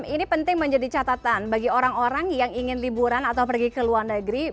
ini penting menjadi catatan bagi orang orang yang ingin liburan atau pergi ke luar negeri